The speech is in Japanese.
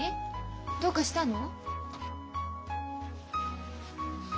どうかしたの？